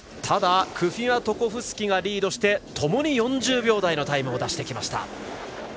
クフィアトコフスキがリードしてともに４０秒台を出してきました。